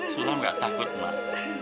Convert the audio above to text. sulam gak takut mak